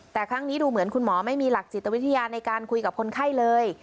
แต่ครั้งนี้ดูเหมือนคุณหมอไม่มีหลักจิตวิทยาในการคุยกับคนไข้เลย